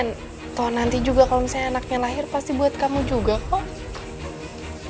atau nanti juga kalau misalnya anaknya lahir pasti buat kamu juga kok